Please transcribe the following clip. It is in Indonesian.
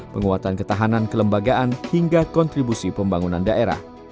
penguatan ketahanan kelembagaan hingga kontribusi pembangunan daerah